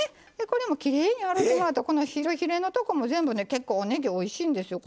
これもきれいに洗うてもらうとこのヒラヒラのとこも全部ね結構おねぎおいしいんですよ。